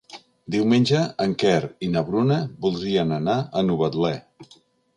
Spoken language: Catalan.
Diumenge en Quer i na Bruna voldrien anar a Novetlè.